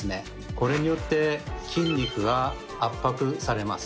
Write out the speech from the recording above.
これによって筋肉が圧迫されます。